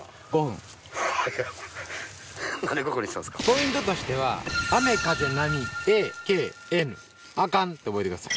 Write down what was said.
ポイントとしては雨風波「ＡＫＮ」「アカン」って覚えてください。